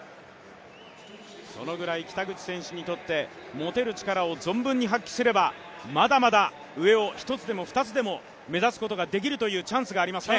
そのぐらい北口選手にとって、持てる力を存分に発揮すれば、まだまだ上を１つでも２つでも目指すことができるというチャンスがありますね。